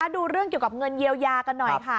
ดูเรื่องเกี่ยวกับเงินเยียวยากันหน่อยค่ะ